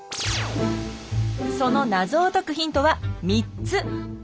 その謎を解くヒントは３つ。